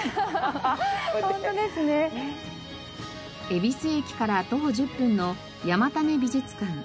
恵比寿駅から徒歩１０分の山種美術館。